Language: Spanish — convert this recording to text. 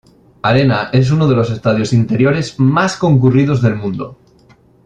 Arena es uno de los estadios interiores más concurridos del mundo.